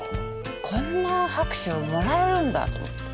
こんな拍手もらえるんだと思って。